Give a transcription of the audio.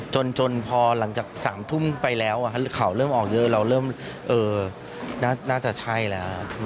จนพอหลังจาก๓ทุ่มไปแล้วข่าวเริ่มออกเยอะเราเริ่มน่าจะใช่แล้ว